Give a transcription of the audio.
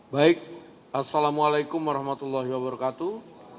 baik assalamu alaikum warahmatullahi wabarakatuh